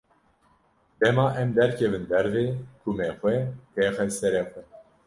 Dema em derkevin derve kumê xwe têxe serê xwe.